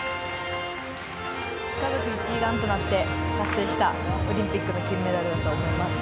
家族一丸となって達成したオリンピックの金メダルだと思います。